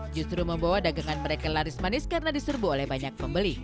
justru membawa dagangan mereka laris manis karena diserbu oleh banyak pembeli